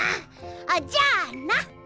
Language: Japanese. あじゃあな。